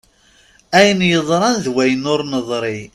Ayen yeḍran d wayen ur neḍri.